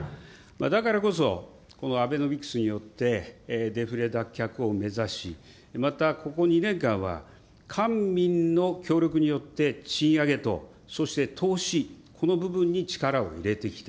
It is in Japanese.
だからこそ、このアベノミクスによって、デフレ脱却を目指し、またここ２年間は、官民の協力によって賃上げとそして投資、この部分に力を入れてきた。